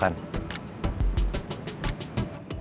kalian mau cabut dari sini